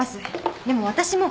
でも私も。